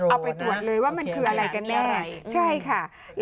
อะไรอย่างนี้ค่ะ